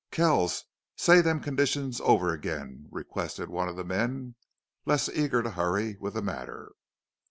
"Kells, say them conditions over again," requested one of the men, less eager to hurry with the matter.